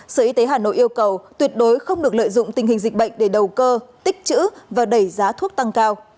sở y tế hà nội yêu cầu tuyệt đối không được lợi dụng tình hình dịch bệnh để đầu cơ tích chữ và đẩy giá thuốc tăng cao